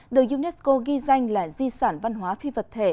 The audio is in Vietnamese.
được unesco ghi danh là di sản văn hóa phi vật thể